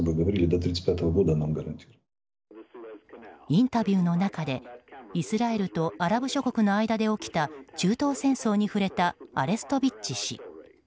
インタビューの中でイスラエルとアラブ諸国の間で起きた中東戦争に触れたアレストビッチ氏。